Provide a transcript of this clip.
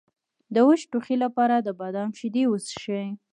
د وچ ټوخي لپاره د بادام شیدې وڅښئ